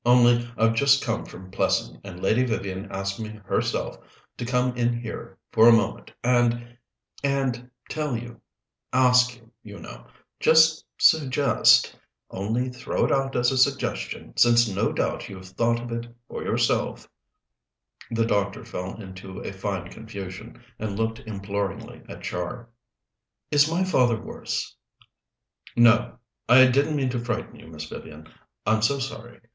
Only I've just come from Plessing, and Lady Vivian asked me herself to come in here for a moment and and tell you ask you, you know just suggest only throw it out as a suggestion, since no doubt you've thought of it for yourself " The doctor fell into a fine confusion, and looked imploringly at Char. "Is my father worse?" "No. I didn't mean to frighten you, Miss Vivian; I'm so sorry.